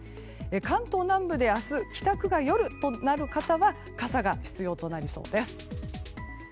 関東南部で明日、帰宅が夜となる方は傘が必要となりそうです。